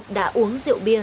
đã uống rượu bia